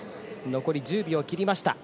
残り１０秒を切りました。